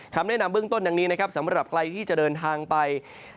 คำแนะนำเบื้องต้นดังนี้นะครับสำหรับใครที่จะเดินทางไป